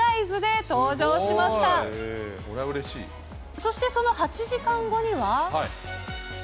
そしてその８時間後には。